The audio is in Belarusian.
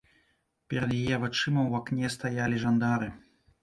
Перад яе вачыма ў акне стаялі жандары.